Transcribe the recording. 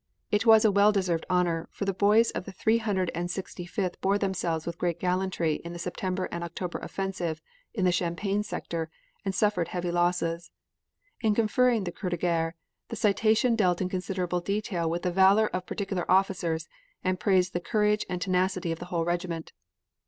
It was a well deserved honor, for the boys of the Three hundred and sixty fifth bore themselves with great gallantry in the September and October offensive in the Champagne sector and suffered heavy losses. In conferring the Croix de Guerre, the citation dealt in considerable detail with the valor of particular officers and praised the courage and tenacity of the whole regiment.